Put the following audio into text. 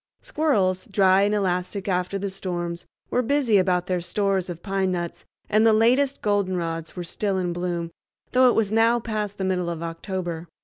Squirrels, dry and elastic after the storms, were busy about their stores of pine nuts, and the latest goldenrods were still in bloom, though it was now past the middle of October.